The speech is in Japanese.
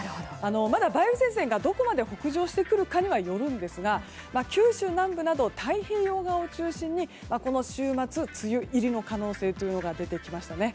まだ梅雨前線がどこまで北上してくるかにもよるんですが九州南部など太平洋側を中心にこの週末、梅雨入りの可能性が出てきましたね。